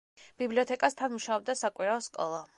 ბიბლიოთეკასთან მუშაობდა საკვირაო სკოლა.